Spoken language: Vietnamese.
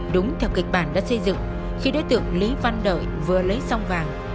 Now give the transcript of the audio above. đúng theo kịch bản đã xây dựng khi đối tượng lý văn đợi vừa lấy xong vàng